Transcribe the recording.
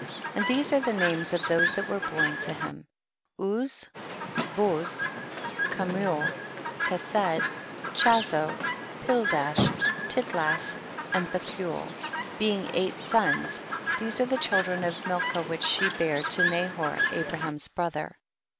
17. And these are the names of those that were born to him, Uz, Buz, Kemuel, Kesed, Chazo, Pil dash, Tidlaf, and Bcthuel, being eight sons, these are the children of Milca which she bare to Nahor Abraham's brother.